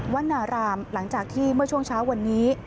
วันนารามหลังจากที่เมื่อช่วงเช้าวันนี้